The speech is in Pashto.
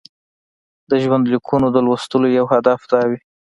د ژوندلیکونو د لوستلو یو هدف دا وي.